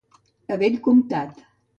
A bell comptant.